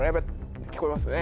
聞こえますね。